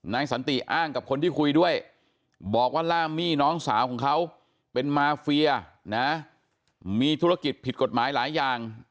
สันติอ้างกับคนที่คุยด้วยบอกว่าล่ามมี่น้องสาวของเขาเป็นมาเฟียนะมีธุรกิจผิดกฎหมายหลายอย่าง